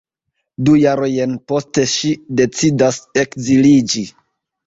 Du jarojn poste ŝi decidas ekziliĝi.